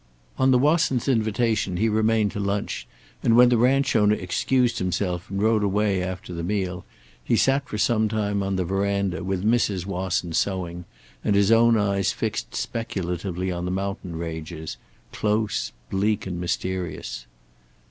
On the Wassons' invitation he remained to lunch, and when the ranch owner excused himself and rode away after the meal he sat for some time on the verandah, with Mrs. Wasson sewing and his own eyes fixed speculatively on the mountain range, close, bleak and mysterious.